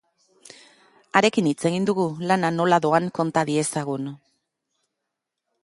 Harekin hitz egin dugu, lana nola doan konta diezagun.